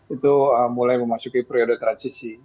itu mulai memasuki periode transisi